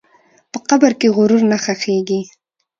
په قبر کې غرور نه ښخېږي.